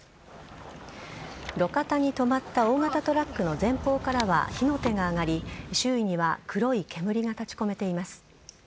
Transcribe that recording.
路肩に止まった大型トラックの前方からは火の手が上がり周囲には黒い煙が立ち込めています。